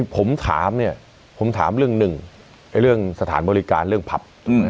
ผมถามเนี่ยผมถามเรื่องหนึ่งเรื่องสถานบริการเรื่องผับ